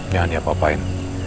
jangan dia papain